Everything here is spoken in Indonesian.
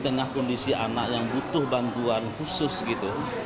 di tengah kondisi anak yang butuh bantuan khusus gitu